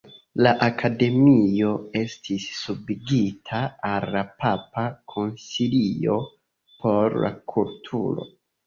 La Akademio estis subigita al la Papa Konsilio por la Kulturo.